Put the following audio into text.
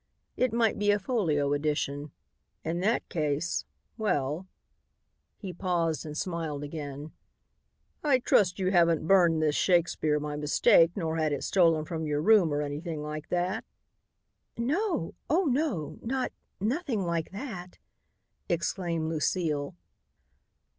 It might be a folio edition. In that case well" he paused and smiled again "I trust you haven't burned this Shakespeare by mistake nor had it stolen from your room or anything like that?" "No! Oh, no! Not nothing like that!" exclaimed Lucile.